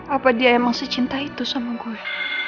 apa dia emang secinta itu sama gue